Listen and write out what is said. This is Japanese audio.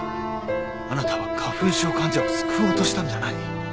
あなたは花粉症患者を救おうとしたんじゃない。